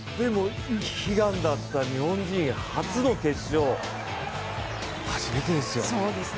悲願だった日本人初の決勝初めてですよ。